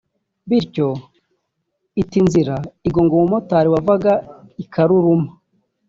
bityo ita inzira igonga umumotari wavaga i Karuruma